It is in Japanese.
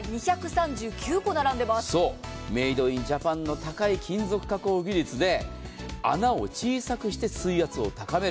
メイドインジャパンの高い金属加工技術で水の圧を高める。